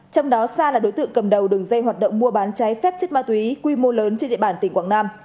trong đó sa là đối tượng cầm đầu đường dây hoạt động mua bán trái phép chất ma túy quy mô lớn trên địa bàn tỉnh quảng nam